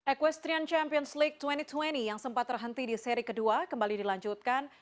equestrian champions league dua ribu dua puluh yang sempat terhenti di seri kedua kembali dilanjutkan